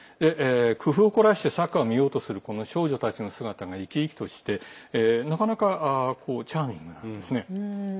工夫を凝らしてサッカーを見ようとする少女たちの姿が生き生きとしてなかなかチャーミングなんですね。